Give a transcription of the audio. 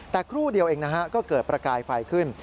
แต่ครู่เดียวเองนะฮะก็เกิดประกายไฟขึ้น